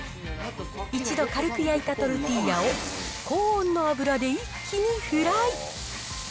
一度軽く焼いたトルティーヤを、高温の油で一気にフライ。